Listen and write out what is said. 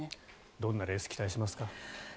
どんなレース期待しますか？